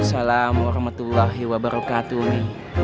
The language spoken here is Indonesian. assalamualaikum warahmatullahi wabarakatuh umi